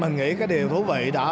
mình nghĩ cái điều thú vị đó